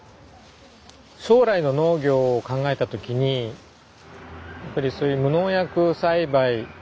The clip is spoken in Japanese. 将来の農業を考えた時にやっぱりそういう無農薬栽培。